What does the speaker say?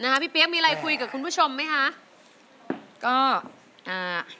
แม่พี่เปี๊ยนมีอะไรคุยกับคุณผู้ชมไหมค่ะ